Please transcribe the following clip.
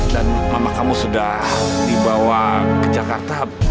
dan mama kamu sudah dibawa ke jakarta